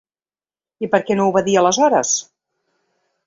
I per què no ho va dir aleshores?